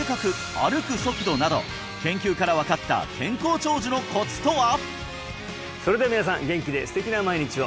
歩く速度など研究から分かったそれでは皆さん元気で素敵な毎日を！